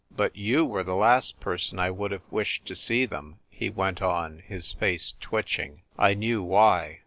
" But yoti were the last person I would have v/ished to see them," he went on, his face twitching. I knew why.